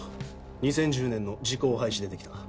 ２０１０年の時効廃止でできた。